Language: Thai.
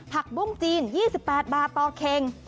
ผักบุ้งจีน๒๘บาทต่อเค็ง